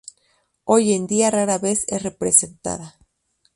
Hoy en día rara vez es representada.